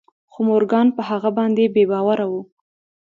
خو مورګان په هغه باندې بې باوره و